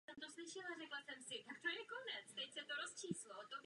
Zpráva obsahuje mnoho důležitých návrhů zaměřených na rozvoj jednotného trhu.